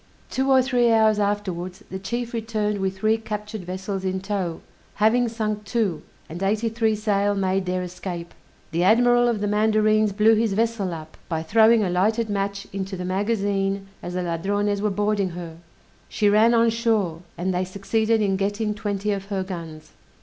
Two or three hours afterwards the chief returned with three captured vessels in tow, having sunk two, and eighty three sail made their escape. The admiral of the mandarines blew his vessel up, by throwing a lighted match into the magazine as the Ladrones were boarding her; she ran on shore, and they succeeded in getting twenty of her guns.